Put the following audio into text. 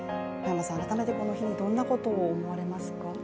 改めて、この日にどんなことを思いますか？